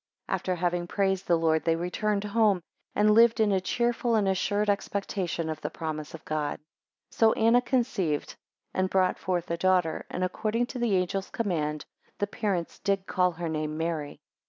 10 After having praised the Lord, they returned home, and lived in a cheerful and assured expectation of the promise of God. 11 So Anna conceived, and brought forth a daughter, and, according to the angel's command, the parents did call her name Mary.